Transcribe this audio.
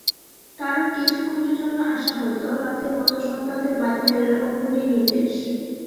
তার কিছুক্ষণের জন্য আসা হয়ত, রাতের মত সন্তানদের বাড়ি ফেরার অঙ্গুলিনির্দেশ।